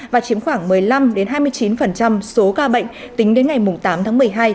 và chiếm khoảng một mươi năm hai mươi chín số ca bệnh tính đến ngày tám tháng một mươi hai